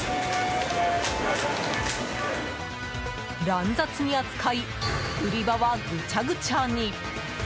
乱雑に扱い売り場はぐちゃぐちゃに。